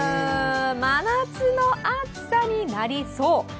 真夏の暑さになりそう。